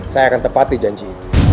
saya akan tepati janji